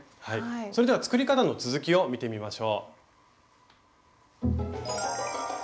それでは作り方の続きを見てみましょう。